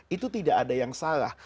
itu tidak ada yang salah